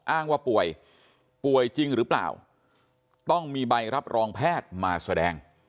อ้างว่าป่วยป่วยจริงหรือเปล่าต้องมีใบรับรองแพทย์มาแสดง